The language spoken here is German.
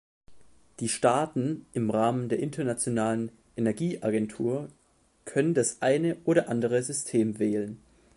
Die Staaten im Rahmen der Internationalen Energieagentur können das eine oder andere System wählen.